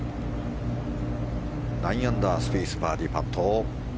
９アンダー、スピースバーディーパット。